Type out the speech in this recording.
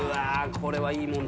これはいい問題。